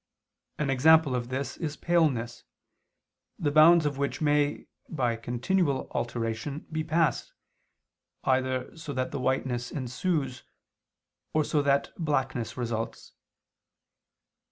An example of this is paleness, the bounds of which may, by continual alteration, be passed, either so that whiteness ensues, or so that blackness results.